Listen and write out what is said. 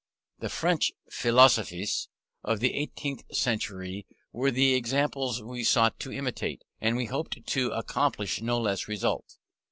The French philosophes of the eighteenth century were the examples we sought to imitate, and we hoped to accomplish no less results.